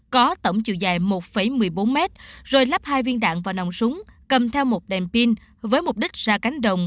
có tổng chiều dài một một mươi bốn m rồi lắp hai viên đạn và nòng súng cầm theo một đèn pin với mục đích ra cánh đồng